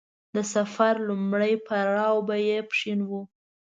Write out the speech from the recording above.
د سفر لومړی پړاو به يې پښين و.